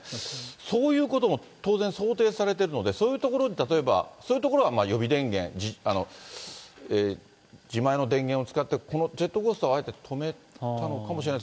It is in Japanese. そういうことも当然想定されてるので、そういうところで例えば、そういうところは予備電源、自前の電源を使って、このジェットコースターはあえて止めたのかもしれない。